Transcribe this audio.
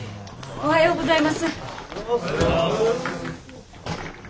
おはようございます。